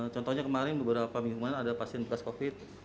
contohnya kemarin beberapa minggu kemarin ada pasien bekas covid